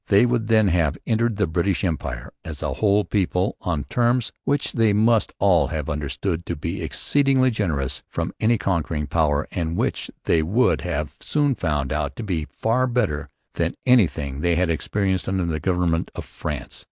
They would then have entered the British Empire, as a whole people, on terms which they must all have understood to be exceedingly generous from any conquering power, and which they would have soon found out to be far better than anything they had experienced under the government of France.